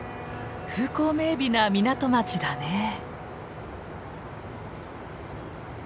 風光明美な港町だね。